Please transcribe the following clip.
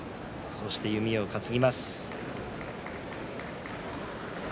そして弓を担ぎます。